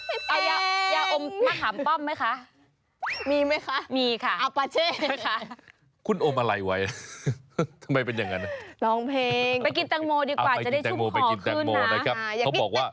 ไปเพลงอยากมายกินแตงโมดีกว่าจะได้ชุมขอขึ้นนะเอาไปกินแตงโมไปกินแตงโมนะครับเขาบอกว่า